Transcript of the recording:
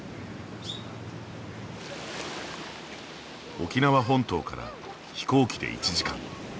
沖縄本島から飛行機で１時間。